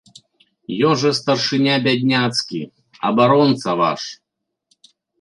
Ён жа старшыня бядняцкі, абаронца ваш.